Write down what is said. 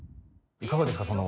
いかがですか？